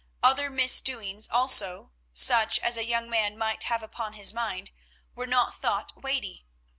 Other misdoings also, such as a young man might have upon his mind, were not thought weighty.